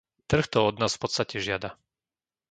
Trh to od nás v podstate žiada.